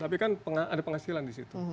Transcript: tapi kan ada penghasilan disitu